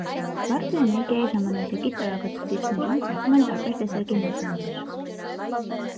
Բարձր էներգիայի ժամանակակից արագացուցիչներում ծնվում են տարբեր տեսակի մեզոններ։